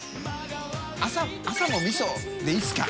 朝も味噌でいいですか？」